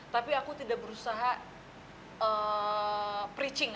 tapi aku tidak berusaha preaching